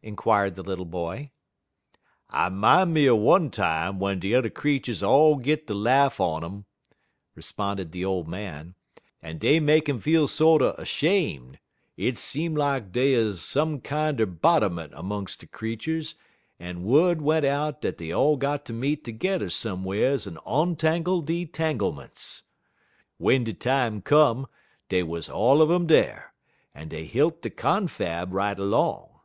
inquired the little boy. "I min' me er one time w'en de t'er creeturs all git de laugh on 'im," responded the old man, "en dey make 'im feel sorter 'shame'. Hit seem lak dat dey 'uz some kinder bodderment 'mungs' de creeturs en wud went out dat dey all got ter meet terge'er some'rs en ontangle de tanglements. "W'en de time come, dey wuz all un um dar, en dey hilt der confab right 'long.